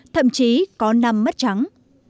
thậm chí có nằm mất trắng